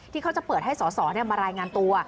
เขาจะเปิดให้สอสอมารายงานตัว